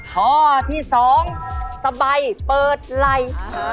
ข้อที่๒สบายเปิดไหล่